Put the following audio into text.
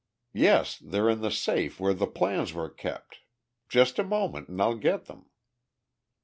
"Yes, they're in the safe where the plans were kept. Just a moment and I'll get them."